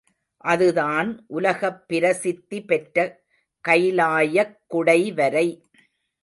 அதுதான் உலகப் பிரசித்தி பெற்ற கைலாயக் குடைவரை.